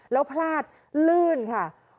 แล้วพลาดลื่นค่ะ